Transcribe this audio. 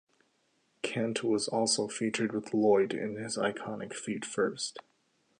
Kent was also featured with Lloyd in his iconic "Feet First".